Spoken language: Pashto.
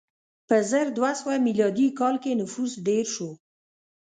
په زر دوه سوه میلادي کال کې نفوس ډېر شو.